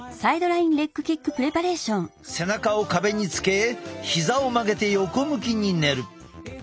背中を壁につけ膝を曲げて横向きに寝る。